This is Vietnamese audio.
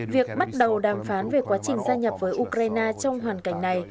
việc bắt đầu đàm phán về quá trình gia nhập với ukraine trong hoàn cảnh này